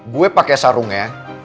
gue pake sarungnya